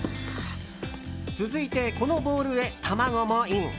続いて、このボウルへ卵もイン。